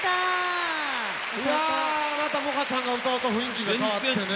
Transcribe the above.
いやまたもかちゃんが歌うと雰囲気が変わってね。